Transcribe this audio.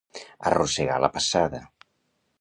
Arrossegar la passada.